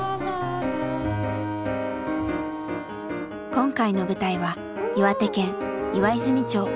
今回の舞台は岩手県岩泉町。